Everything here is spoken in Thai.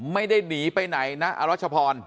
ไม่ได้หนีไปไหนนะอรัชพร